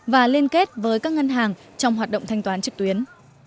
và liên kết với các ngân hàng trong hoạt động thanh toán trực tuyến